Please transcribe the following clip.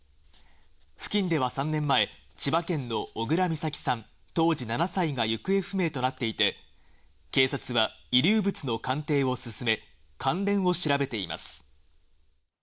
付近では３年前、千葉県の小倉美咲さん、当時７歳が行方不明となっていて、警察は遺留物の鑑定を進め、関連を調べています。